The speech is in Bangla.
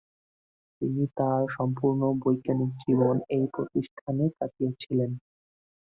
তিনি তার সম্পূর্ণ বৈজ্ঞানিক জীবন এই প্রতিষ্ঠানে কাটিয়েছিলেন।